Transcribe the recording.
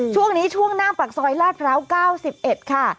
ช่วงนี้ช่วงหน้าปากซอยลาดพร้าว๙๑ค่ะ